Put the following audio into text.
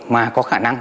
mà có khả năng